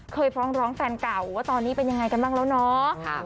ฟ้องร้องแฟนเก่าว่าตอนนี้เป็นยังไงกันบ้างแล้วเนาะ